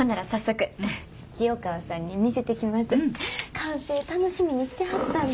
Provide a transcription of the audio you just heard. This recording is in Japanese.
完成楽しみにしてはったんで。